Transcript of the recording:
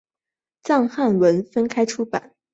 藏汉文分开出版。